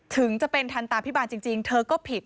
ถึงจะเป็นทันตาพิบาลจริงเธอก็ผิด